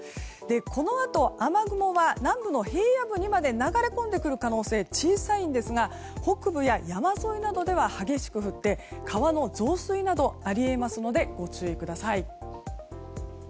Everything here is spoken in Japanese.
このあと雨雲は南部の平野部にまで流れ込んでくる可能性は小さいですが北部や山沿いなどでは激しく降って川の増水などあり得ますのでご注意ください。